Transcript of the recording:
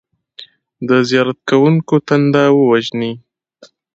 د زیارت کوونکو تنده ووژني.